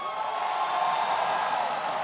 saya kita di pihak